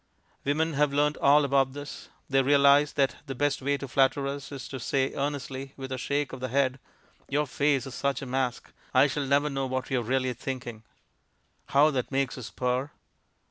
Women have learnt all about this. They realize that the best way to flatter us is to say earnestly, with a shake of the head, "Your face is such a mask; I shall never know what you're really thinking." How that makes us purr!